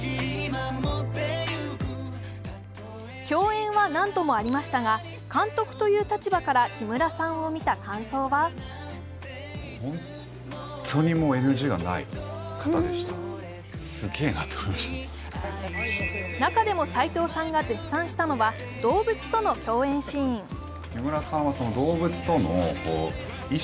共演は何度もありましたが、監督という立場から木村さんを見た感想は中でも斎藤さんが絶賛したのが動物との共演シーン。